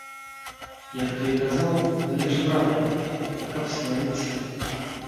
Як той казаў, гэта ж брат родны, дык каб сварыцца?